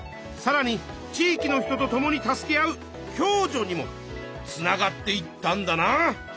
さらに地いきの人と共に助け合う共助にもつながっていったんだな。